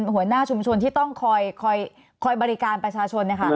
หัวหน้าชุมชนที่ต้องคอยบริการประชาชนนะคะ